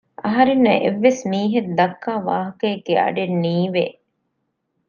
އަހަރެންނަކަށް އެއްވެސް މީހެއް ދައްކާވާހަކައެއްގެ އަޑެއް ނީވެ